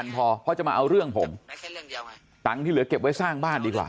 พอเพราะจะมาเอาเรื่องผมตังค์ที่เหลือเก็บไว้สร้างบ้านดีกว่า